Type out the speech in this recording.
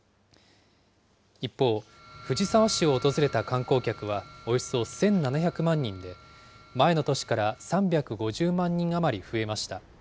一方、藤沢市を訪れた観光客はおよそ１７００万人で、前の年から３５０万人余り増えました。